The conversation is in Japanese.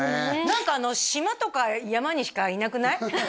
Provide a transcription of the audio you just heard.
何かあの島とか山にしかいなくない？